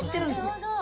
なるほど！